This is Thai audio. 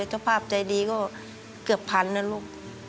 เจ้าภาพใจดีก็เกือบพันนะลูก